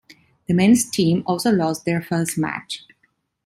The men's team also lost their first match.